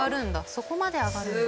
そこまで上がるんだ。